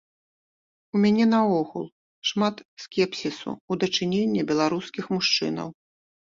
У мяне наогул шмат скепсісу ў дачыненні беларускіх мужчынаў.